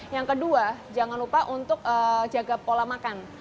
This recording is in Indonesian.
yang kedua jangan lupa untuk jaga pola makan